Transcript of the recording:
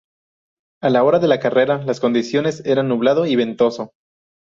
A la hora de la carrera, las condiciones eran nublado y ventoso.